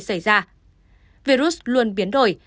xảy ra virus luôn biến đổi